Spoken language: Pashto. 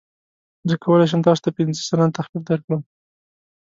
زه کولی شم تاسو ته پنځه سلنه تخفیف درکړم.